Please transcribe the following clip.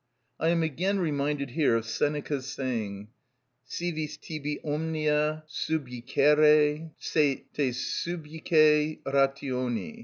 I am again reminded here of Seneca's saying: "Si vis tibi omnia subjicere, te subjice rationi."